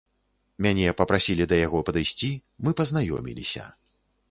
Мяне папрасілі да яго падысці, мы пазнаёміліся.